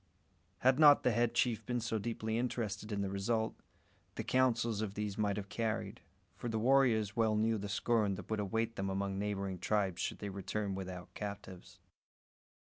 Had not the head chief been so deeply interested in the result, the counsels of these might have carried; for the warriors well knew the scorn that would await them among neighbouring tribes should they return without captives.